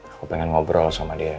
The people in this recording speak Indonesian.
aku pengen ngobrol sama dia